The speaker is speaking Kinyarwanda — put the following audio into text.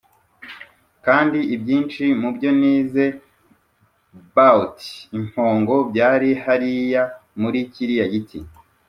kandi ibyinshi mubyo nize 'bout impongo byari hariya muri kiriya giti.